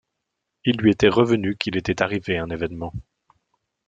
Il lui était revenu qu’il était arrivé un évènement.